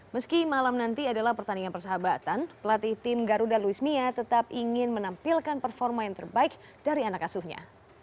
meski malam nanti adalah pertandingan persahabatan pelatih tim garuda luis mia tetap ingin menampilkan performa yang terbaik dari anak asuhnya